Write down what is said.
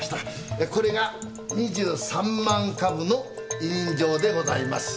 えーこれが２３万株の委任状でございます。